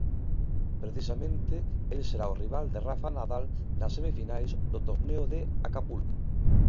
Precisamente el será o rival de Rafa Nadal nas semifinais do torneo de Acapulco.